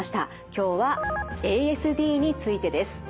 今日はＡＳＤについてです。